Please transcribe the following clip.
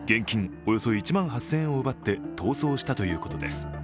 およそ１万８０００円を奪って逃走したということです。